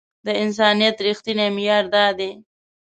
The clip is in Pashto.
د انسانيت رښتينی معيار دا دی.